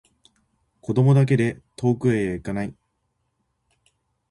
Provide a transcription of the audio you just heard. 子供だけで遠くへいかない